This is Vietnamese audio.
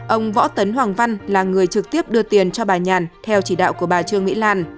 ông võ tấn hoàng văn là người trực tiếp đưa tiền cho bà nhàn theo chỉ đạo của bà trương mỹ lan